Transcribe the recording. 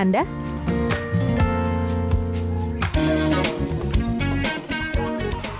mendulang cuan dari kreativitas di rumah juga dilakukan